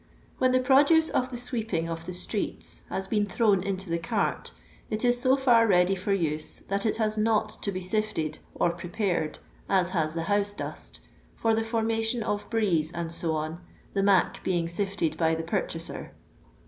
^Vhen the produce of the sweeping of the streets has been thrown into the cart, it is ■0 fiir ready for use that it has not to bo sifted or prepared, as has the house dust, for the formation of brieze, &c., the ''mac " being sifted by the purchaser.